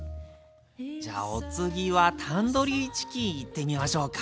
じゃお次はタンドリーチキンいってみましょうか。